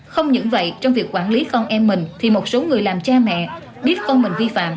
không những vậy trong việc quản lý con em mình thì một số người làm cha mẹ biết con mình vi phạm